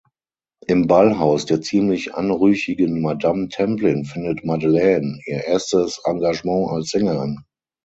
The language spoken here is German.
Im Ballhaus der ziemlich anrüchigen Madame Templin findet Madeleine ihr erstes Engagement als Sängerin.